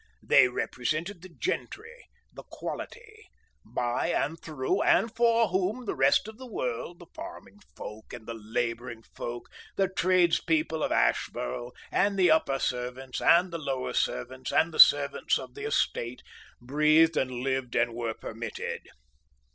They represented the Gentry, the Quality, by and through and for whom the rest of the world, the farming folk and the labouring folk, the trades people of Ashborough, and the upper servants and the lower servants and the servants of the estate, breathed and lived and were permitted.